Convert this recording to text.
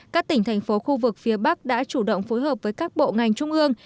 các tỉnh thành phố khu vực phía bắc đã chủ động phối hợp với các bộ ngành trung ương